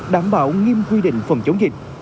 đảm bảo nghiêm quy định phòng chống dịch